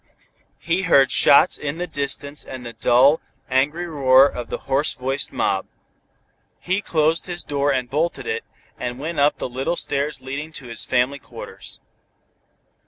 He heard shots in the distance and the dull, angry roar of the hoarse voiced mob. He closed his door and bolted it, and went up the little stairs leading to his family quarters.